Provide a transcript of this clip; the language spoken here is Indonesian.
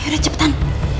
ayo deh cepetan